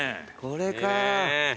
これか。